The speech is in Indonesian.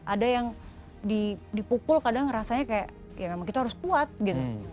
ada yang dipukul kadang rasanya kayak ya memang kita harus kuat gitu